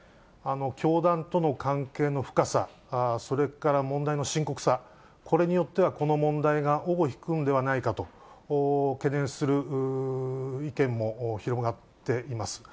教団との関係の深さ、それから問題の深刻さ、これによっては、この問題が尾を引くんではないかと、懸念する意見も広がっています。